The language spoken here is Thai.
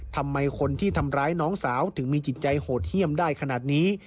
ทำไมคนที่ทำร้ายน้องสาวถึงมีจิตใจโหดเยี่ยมได้ขนาดนี้